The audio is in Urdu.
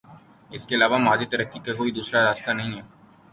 اس کے علاوہ مادی ترقی کا کوئی دوسرا راستہ نہیں ہے۔